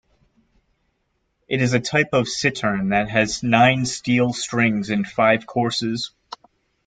It is a type of cittern that has nine steel strings in five courses.